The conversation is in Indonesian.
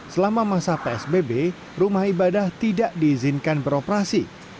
selama masa psbb rumah ibadah tidak diizinkan beroperasi